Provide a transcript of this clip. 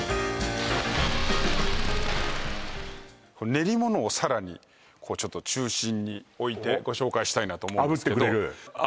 練り物をさらにこうちょっと中心に置いてご紹介したいなと思うんですけどあ